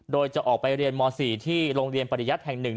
โดยจะออกไปเรียนม๔ที่โรงเรียนปริยัติแห่ง๑